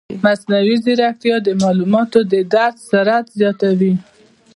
مصنوعي ځیرکتیا د معلوماتو د درک سرعت زیاتوي.